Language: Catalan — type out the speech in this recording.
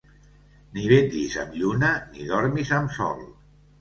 Ni vetllis amb lluna ni dormis amb sol.